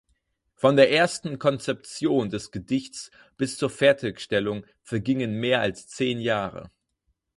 Von der ersten Konzeption des Gedichts bis zur Fertigstellung vergingen mehr als zehn Jahre.